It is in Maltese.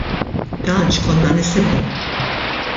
Dan x'konna nisimgħu.